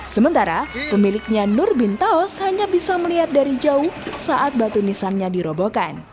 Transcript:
sementara pemiliknya nur bin taos hanya bisa melihat dari jauh saat batu nisannya dirobohkan